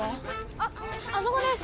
あっあそこです！